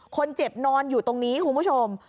คนเจ็บนอนอยู่ตรงนี้คุณผู้ชม